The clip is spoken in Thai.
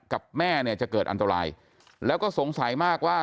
กับแม่เนี่ยจะเกิดอันตรายแล้วก็สงสัยมากว่า